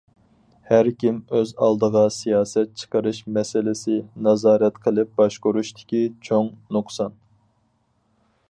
‹‹ ھەركىم ئۆز ئالدىغا سىياسەت چىقىرىش مەسىلىسى›› نازارەت قىلىپ باشقۇرۇشتىكى چوڭ نۇقسان.